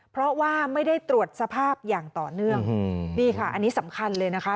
เพราะว่าไม่ได้ตรวจสภาพอย่างต่อเนื่องนี่ค่ะอันนี้สำคัญเลยนะคะ